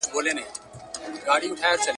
لکه په مني کي له وني رژېدلې پاڼه ,